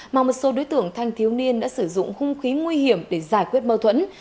mà một số đối tượng thanh thiếu niên đã sử dụng hung khí nguy hiểm để giải quyết mâu thuẫn